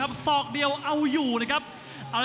กรรมการเตือนทั้งคู่ครับ๖๖กิโลกรัม